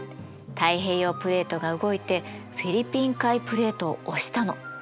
太平洋プレートが動いてフィリピン海プレートを押したの。